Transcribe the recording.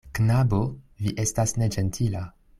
Knabo, vi estas neĝentila.